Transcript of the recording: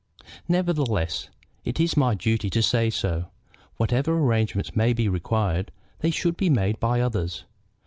"Nevertheless, it is my duty to say so. Whatever arrangements may be required, they should be made by others.